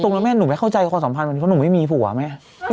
ตรงแล้วแม่หนูไม่เข้าใจกับความสัมพันธ์กันดีเพราะหนูไม่มีผัวแม่